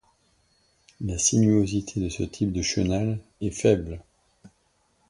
La sinuosité de ce type de chenal est faible.